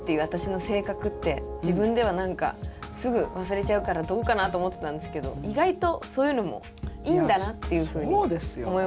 自分では何かすぐ忘れちゃうからどうかなと思ってたんですけど意外とそういうのもいいんだなっていうふうに思いました。